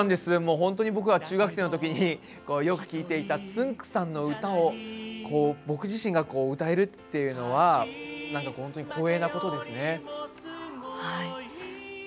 本当に僕が中学生のときによく聴いていたつんく♂さんの歌を僕自身が歌えるというのは光栄なことですね。